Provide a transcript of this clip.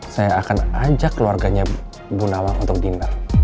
saya akan ajak keluarganya bu nawang untuk dinner